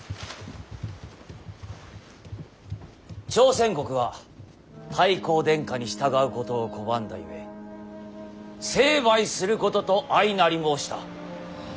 朝鮮国は太閤殿下に従うことを拒んだゆえ成敗することと相なり申した。